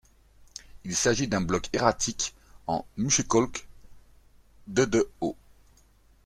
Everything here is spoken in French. Il s'agit d'un bloc erratique en Muschelkalk, de de haut.